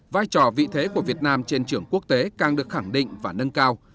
vai trò vị thế của việt nam trên trường quốc tế càng được khẳng định và nâng cao